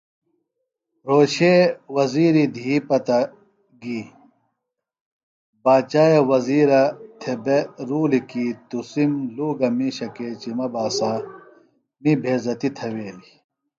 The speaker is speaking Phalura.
رھوشے وزِیری دھی پتہ گی باچاے وزِیرہ تھےۡ بےۡ رُولیۡ کیۡ تُسِم لُوگہ مِیشہ کیچیۡ مہ باسا می بھیزتیۡ تھویلیۡ